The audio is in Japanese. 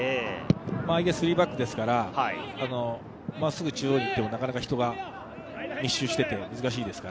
相手は３バックですから、中央に行ってもなかなか人が密集していて難しいです。